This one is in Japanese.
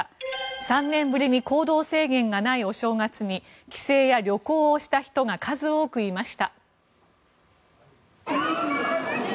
３年ぶりに行動制限がないお正月に帰省や旅行をした人が数多くいました。